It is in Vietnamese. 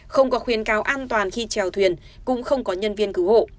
không có khuyến cáo an toàn khi trèo thuyền cũng không có nhân viên cứu hộ